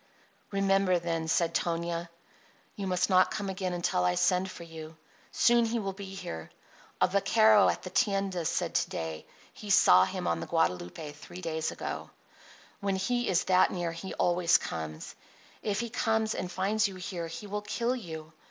"Remember, then," said Tonia, "you must not come again until I send for you. Soon he will be here. A vaquero at the tienda said to day he saw him on the Guadalupe three days ago. When he is that near he always comes. If he comes and finds you here he will kill you.